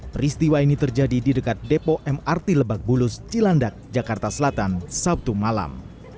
peristiwa ini terjadi di dekat depo mrt lebak bulus cilandak jakarta selatan sabtu malam